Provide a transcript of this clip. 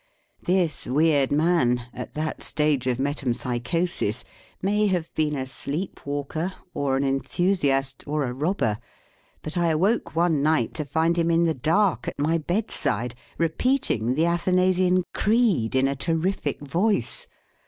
This weird main, at that stage of metempsychosis, may have been a sleep walker or an enthusiast or a robber; but I awoke one night to find him in the dark at my bedside, repeating the Athanasian Creed in a terrific voice.